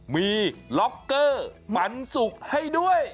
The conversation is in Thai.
มีล็อกเกอร์ฝันสุกให้ด้วย